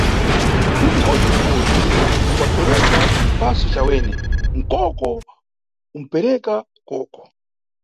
Muti ubodzi na ubodzi umbapereka cisapo cawene, nkoko umʼpereka koko.